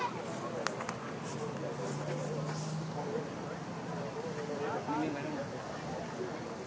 โปรดติดตามต่อไป